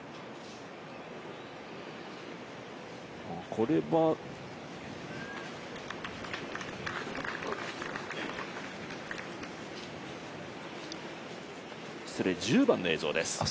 これは失礼、１０番の映像です。